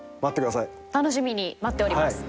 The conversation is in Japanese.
楽しみに待っております。